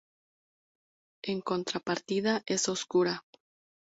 En contrapartida, es oscura.